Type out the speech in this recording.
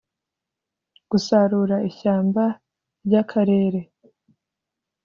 gusarura ishyamba ry akarere